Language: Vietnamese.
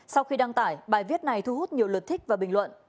sau khi đăng tải bài viết này thu hút nhiều lượt thích và bình luận